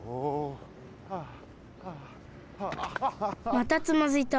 またつまずいた。